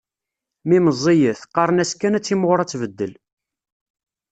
Mi meẓẓiyet, qqaren-as kan ad timɣur ad tbeddel